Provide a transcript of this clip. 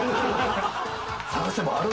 探せばある。